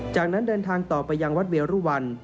จากนั้นเดินทางต่อไปยังวัดเวรุวัน